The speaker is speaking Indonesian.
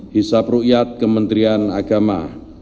hisab rukyat kementerian agama